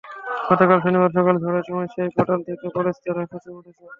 গতকাল শনিবার সকালে ঝড়ের সময় সেই ফাটল থেকে পলেস্তারাও খসে পড়েছে।